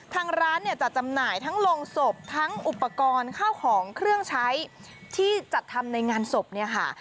ทางร้านเนี่ยจัดจำหน่ายทั้งโรงศพทั้งอุปกรณ์ข้าวของเครื่องใช้ที่จัดทำในงานศพเนี่ยค่ะ